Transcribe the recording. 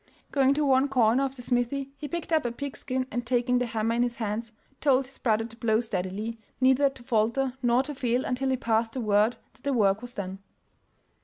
Going to one corner of the smithy he picked up a pig skin and taking the hammer in his hands, told his brother to blow steadily, neither to falter nor to fail until he passed the word that the work was done.